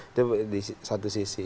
itu di satu sisi